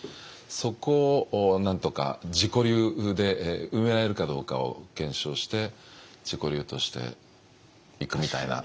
そこをなんとか自己流で埋められるかどうかを検証して自己流としていくみたいな考え方ですかね。